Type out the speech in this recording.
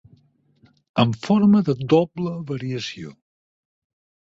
En forma de doble variació.